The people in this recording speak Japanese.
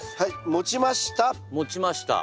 持ちました。